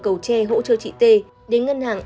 cầu tre hỗ trợ chị t đến ngân hàng